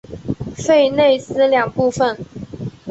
弗内斯两部分。